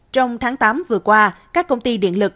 trong tháng tám vừa qua các công ty điện lực